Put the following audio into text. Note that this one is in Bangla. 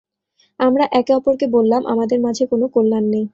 আমরা একে অপরকে বললাম, আমাদের মাঝে কোন কল্যাণ নেই।